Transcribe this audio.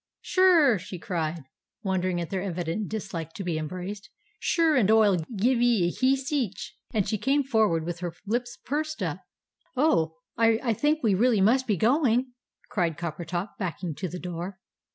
"Sure," she cried, wondering at their evident dislike to being embraced, "sure and Oi'll give ye a kiss each," and she came forward with her lips pursed up. "Oh! I I think we really must be going," cried Coppertop, backing to the door.